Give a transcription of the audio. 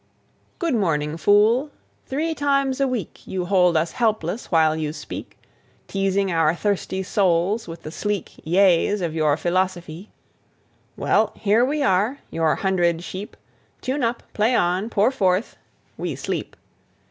"Good morning, Fool... Three times a week You hold us helpless while you speak, Teasing our thirsty souls with the Sleek 'yeas' of your philosophy... Well, here we are, your hundred sheep, Tune up, play on, pour forth... we sleep...